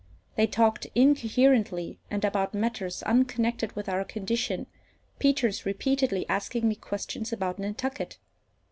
They talked incoherently, and about matters unconnected with our condition, Peters repeatedly asking me questions about Nantucket.